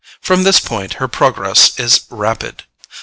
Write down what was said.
From this point her progress is rapid.